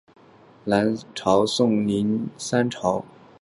南朝宋及林邑国第三王朝第三代国王范神成之长史。